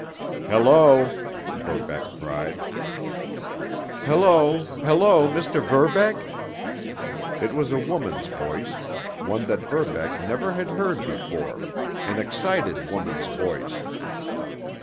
"Hello!" Verbeck cried. "Hello! Hello! Mr. Verbeck?" It was a woman's voice, one that Verbeck never had heard before, an excited woman's voice.